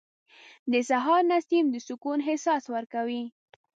• د سهار نسیم د سکون احساس ورکوي.